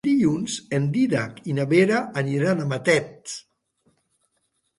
Dilluns en Dídac i na Vera aniran a Matet.